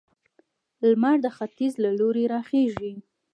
لمر د ختيځ له لوري راخيژي